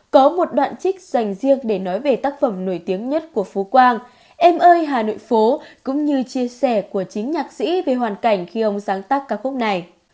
có một đoạn trích dành riêng để nói về tác phẩm nổi tiếng nhất của phú quang em ơi hà nội phố cũng như chia sẻ của chính nhạc sĩ về hoàn cảnh khi ông sáng tác ca khúc này